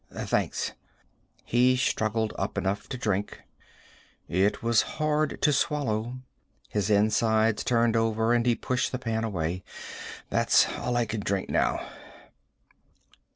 "Thanks." He struggled up enough to drink. It was hard to swallow. His insides turned over and he pushed the pan away. "That's all I can drink now."